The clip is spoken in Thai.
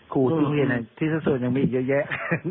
ครูที่โรงเรียนที่สัดส่วนยังมีอีกเยอะแยะ